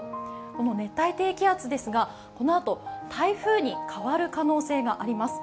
この熱帯低気圧ですが、このあと台風に変わる可能性があります。